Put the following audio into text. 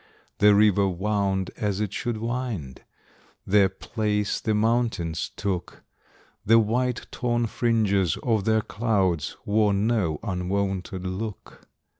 The river wound as it should wind; Their place the mountains took; The white torn fringes of their clouds Wore no unwonted look.